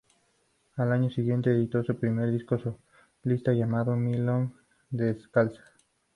Al año siguiente editó su primer disco solista, llamado "Milonga descalza".